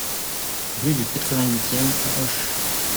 Rue du quatre-vingt-huitème à Auch